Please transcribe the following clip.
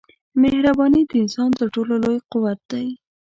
مهرباني د انسان تر ټولو لوی قوت دی.